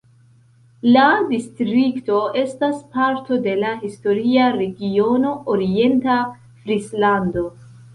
La distrikto estas parto de la historia regiono Orienta Frislando.